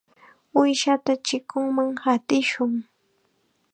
Uushata chikunman qatishun.